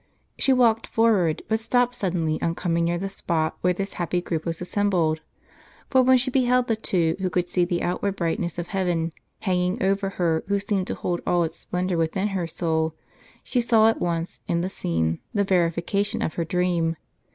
She walked forward, but stopped suddenly on coming near the spot where this happy group were assembled. For when she beheld the two who could see the outward brightness of heaven, hanging over her who seemed to hold all its splendor within her soul, she saw at once, in the scene, the verification of her dream.